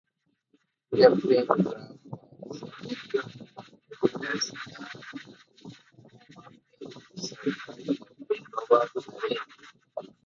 Captain Graf was subsequently replaced as the commanding officer by Captain Robert Marin.